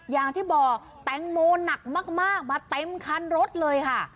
อย่างที่บอกแตงโมหนักมากมาเต็มคันรถเลยค่ะ